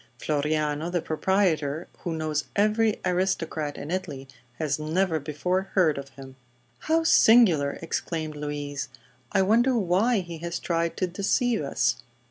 Floriano, the proprietor, who knows every aristocrat in Italy, has never before heard of him." "How singular!" exclaimed Louise. "I wonder why he has tried to deceive us."